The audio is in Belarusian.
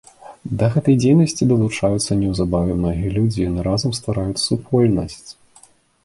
Да гэтай дзейнасці далучаюцца неўзабаве многія людзі, яны разам ствараюць супольнасць.